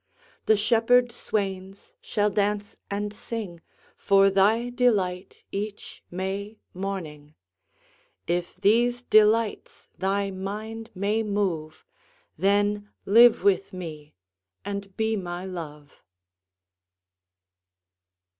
20 The shepherd swains shall dance and sing For thy delight each May morning: If these delights thy mind may move, Then live with me and be my Love.